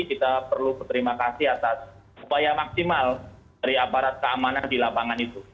kita perlu berterima kasih atas upaya maksimal dari aparat keamanan di lapangan itu